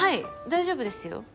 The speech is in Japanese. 大丈夫ですよ。